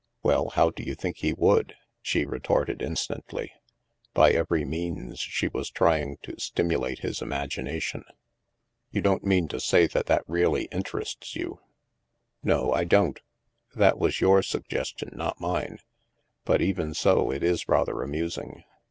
" Well, how do you think he would ?" she re torted instantly. By every means, she was trying to stimulate his imagination. " You don't mean to say that that really interests you?" "No, I don't. That was your suggestion, not mine. But, even so, it is rather amusing.